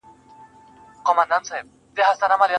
غټي سترگي شينكى خال د چا د ياد,